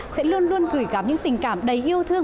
sẽ luôn luôn gửi gắm những tình cảm đầy yêu thương